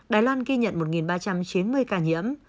đài loan ghi nhận một ba trăm chín mươi ca nhiễm